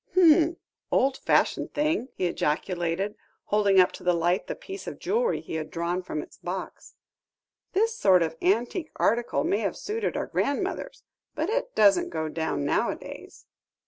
Hum! old fashioned thing," he ejaculated, holding up to the light the piece of jewellery he had drawn from its box; "this sort of antique article may have suited our grandmothers, but it doesn't go down nowadays!"